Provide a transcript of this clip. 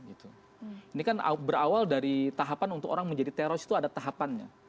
ini kan berawal dari tahapan untuk orang menjadi teroris itu ada tahapannya